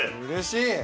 うれしい。